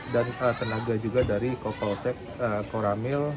dan tenaga juga dari kopolsek koramil